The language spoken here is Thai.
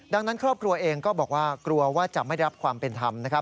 ดังนั้นครอบครัวเองก็บอกว่ากลัวว่าจะไม่ได้รับความเป็นธรรมนะครับ